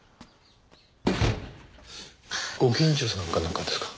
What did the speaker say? ご近所さんかなんかですか？